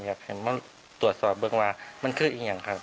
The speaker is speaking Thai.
อยากให้มันตรวจสอบว่ามันคืออิ่งอย่างค่ะ